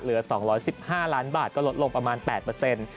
เหลือ๒๑๕ล้านบาทก็ลดลงประมาณ๘เปอร์เซ็นต์